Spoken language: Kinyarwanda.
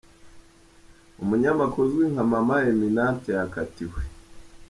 Umunyamakuru uzwi nka Mama Emminente yakatiwe .